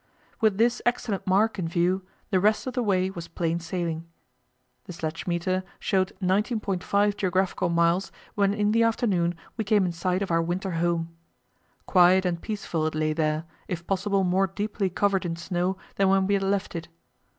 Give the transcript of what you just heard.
With this excellent mark in view the rest of the way was plain sailing. The sledge meter showed 19.5 geographical miles, when in the afternoon we came in sight of our winter home. Quiet and peaceful it lay there, if possible more deeply covered in snow than when we had left it.